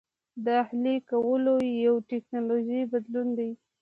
د اهلي کولو یو ټکنالوژیکي بدلون دی.